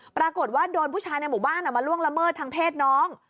ปรากฏว่าโดนผู้ชายในหมู่บ้านมาล่วงละเมิดทางเพศน้อง